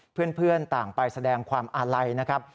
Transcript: เพื่อนต่างไปแสดงความอาลัยนะครับ